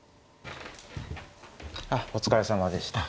あっお疲れさまでした。